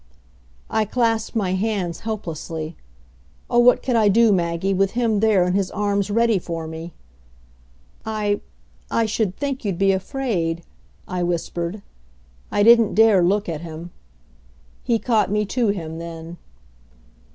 I clasped my hands helplessly. Oh, what could I do, Maggie, with him there and his arms ready for me! "I I should think you'd be afraid," I whispered. I didn't dare look at him. He caught me to him then.